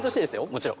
もちろん。